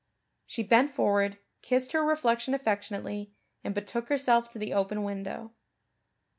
She bent forward, kissed her reflection affectionately, and betook herself to the open window.